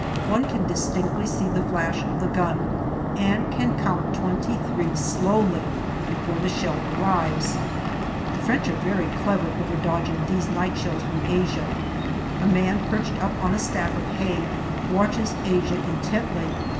One can distinctly see the flash of the gun and can count twenty three slowly before the shell arrives. The French are very clever over dodging these night shells from Asia. A man perched up on a stack of hay watches Asia intently.